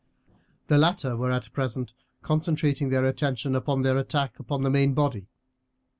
The latter were at present concentrating their attention upon their attack upon the main body.